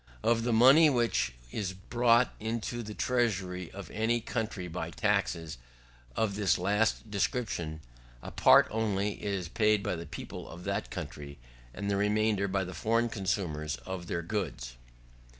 Of the money which is brought into the treasury of any country by taxes of this last description, a part only is paid by the people of that country; the remainder by the foreign consumers of their goods.